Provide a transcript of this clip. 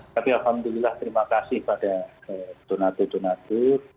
tapi alhamdulillah terima kasih pada donator donator